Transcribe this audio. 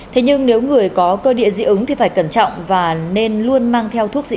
thế nhưng nếu người có cơ địa dị ứng thì phải cẩn trọng và nên luôn mang theo thuốc dị